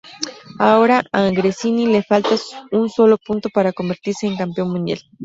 Ahora a Gresini le falta un solo punto para convertirse en campeón mundial.